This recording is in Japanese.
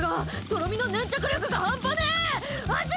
とろみの粘着力が半端ねえ！